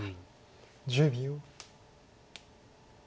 １０秒。